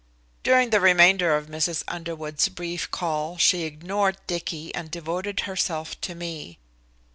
During the remainder of Mrs. Underwood's brief call she ignored Dicky, and devoted herself to me.